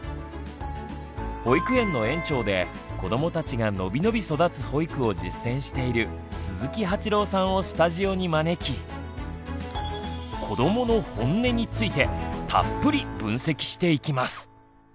保育園の園長で子どもたちが伸び伸び育つ保育を実践している鈴木八朗さんをスタジオに招き「こどものホンネ」についてたっぷり分析していきます！